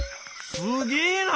すげえな！